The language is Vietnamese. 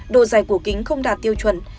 độ dài của kính không đạt tiêu chuẩn